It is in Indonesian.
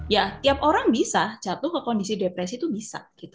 ya tiap orang bisa jatuh ke kondisi depresi itu bisa gitu